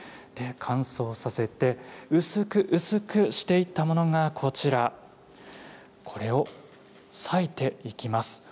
乾燥させて薄く薄くしていったものがこちら、これを裂いていきます。